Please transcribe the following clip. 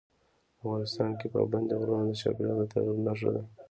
افغانستان کې پابندی غرونه د چاپېریال د تغیر نښه ده.